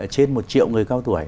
trên một triệu người cao tuổi